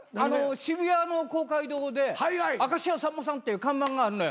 渋谷の公会堂で明石家さんまさんっていう看板があんのよ。